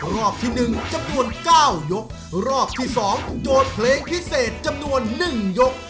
รอบที่๑จำนวน๙ยกรอบที่สองโจทย์เพลงพิเศษจำนวนหนึ่งยก